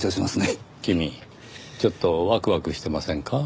君ちょっとワクワクしてませんか？